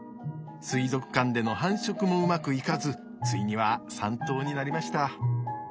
水族館での繁殖もうまくいかずついには３頭になりました。